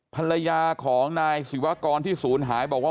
ภรรยาของนายศิวากรที่ศูนย์หายบอกว่า